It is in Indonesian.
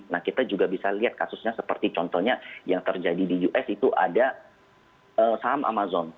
nah kita juga bisa lihat kasusnya seperti contohnya yang terjadi di us itu ada saham amazon